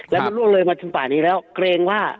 แล้วมันร่วมเลยมาจนป่านอย่างนี้แล้วเกรงว่า